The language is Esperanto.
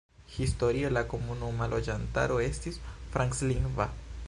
Historie la komunuma loĝantaro estis franclingva.